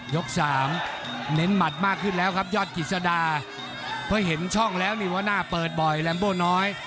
สามเน้นหมัดมากขึ้นแล้วครับยอดกิจสดาเพราะเห็นช่องแล้วนี่ว่าหน้าเปิดบ่อยแรมโบน้อย